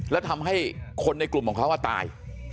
แล้วทำให้คนในกลุ่มของเขาตาย